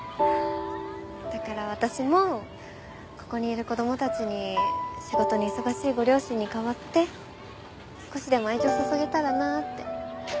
だから私もここにいる子供たちに仕事に忙しいご両親に代わって少しでも愛情を注げたらなって。